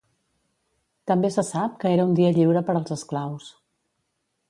També se sap que era un dia lliure per als esclaus.